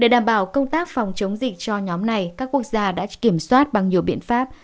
để đảm bảo công tác phòng chống dịch cho nhóm này các quốc gia đã kiểm soát bằng nhiều biện pháp